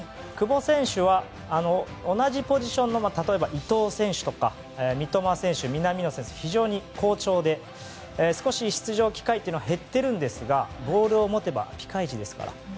久保選手は、同じポジションの伊東選手とか三笘選手、南野選手が非常に好調で少し出場機会というのは減っているんですがボールを持てばピカイチですから。